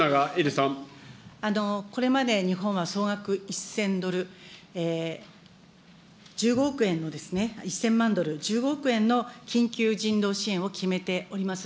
これまで、日本は総額１０００ドル、１５億円の、１０００万ドル、１５億円の緊急人道支援を決めております。